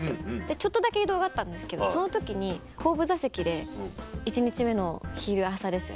ちょっとだけ移動があったんですけどその時に後部座席で１日目の昼朝ですよね。